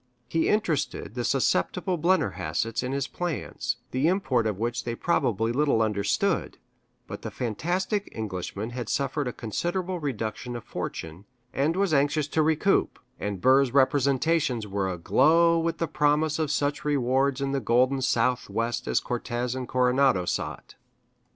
He interested the susceptible Blennerhassetts in his plans, the import of which they probably little understood; but the fantastic Englishman had suffered a considerable reduction of fortune, and was anxious to recoup, and Burr's representations were aglow with the promise of such rewards in the golden southwest as Cortes and Coronado sought.